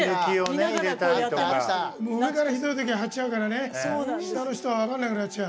上から貼っちゃうから下の人は分からなくなっちゃう。